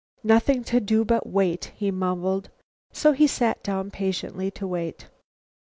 "Nothing to do but wait," he mumbled, so he sat down patiently to wait.